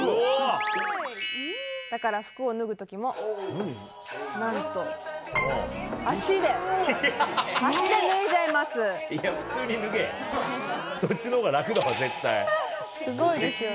だから服を脱ぐ時も何と、足で脱いじゃいます。